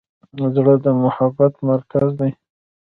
زړه د محبت مرکز دی.